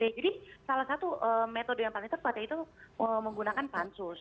jadi salah satu metode yang paling tepat yaitu menggunakan pansus